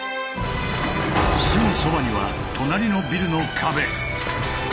すぐそばには隣のビルの壁。